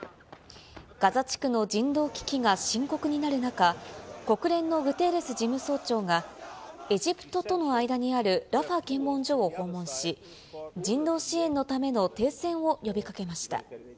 ガザ地区の人道危機が深刻になる中、国連のグテーレス事務総長が、エジプトとの間にあるラファ検問所を訪問し、人道支援のための停戦を呼びかけました。